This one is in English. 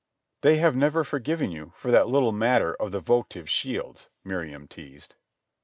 "They have never forgiven you that little matter of the votive shields," Miriam teased.